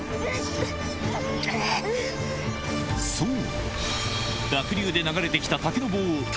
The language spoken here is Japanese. そう！